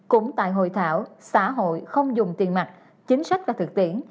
cũng tại hội thảo xã hội không dùng tiền mặt chính sách và thực tiễn